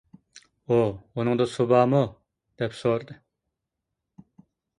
ئۇ: ئۇنىڭدا سۇ بارمۇ؟ -دەپ سورىدى.